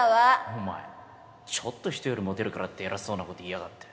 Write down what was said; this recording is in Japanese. お前ちょっと人よりモテるからって偉そうなこと言いやがって。